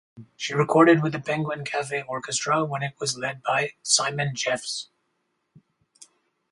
She recorded with the Penguin Cafe Orchestra when it was led by Simon Jeffes.